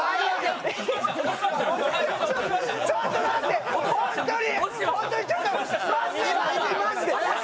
ちょっと待って、ホントに！